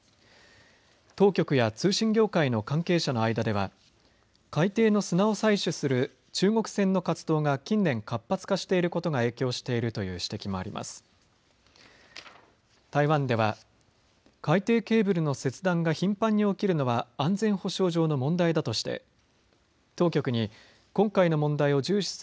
当局や通信業界の関係者の間では海底の砂を採取する中国船の活動が近年、活発化していることが影響しているという指摘もあります。